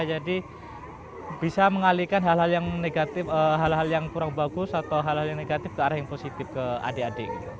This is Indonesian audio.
jadi bisa mengalihkan hal hal yang negatif hal hal yang kurang bagus atau hal hal yang negatif ke arah yang positif ke adik adik